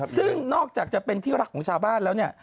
ซึ่งนอกจากจะเป็นที่รักของชาวบ้านแล้วเนี่ย